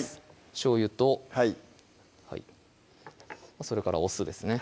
しょうゆとそれからお酢ですね